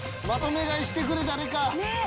まとめ買いしてくれ、誰か。